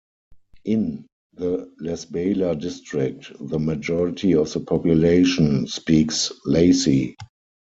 In the Lasbela District, the majority of the population speaks Lasi.